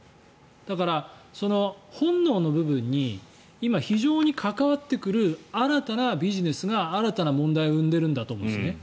だから、本能の部分に今非常に関わってくる新たなビジネスが新たな問題を生んでいるんだと思うんですね。